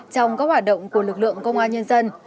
trong các hoạt động của lực lượng công an nhân dân